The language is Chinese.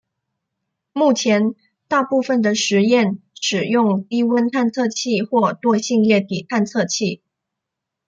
目前大部分的实验使用低温探测器或惰性液体探测器。